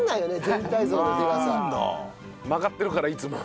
曲がってるからいつも。